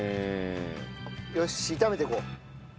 よし炒めていこう。